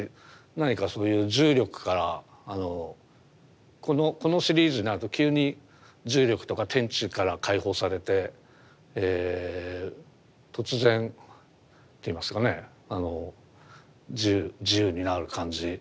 何かそういう重力からこのシリーズになると急に重力とか天地から解放されて突然といいますかねあの自由になる感じ。